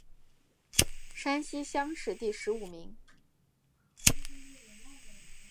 山西乡试第十五名。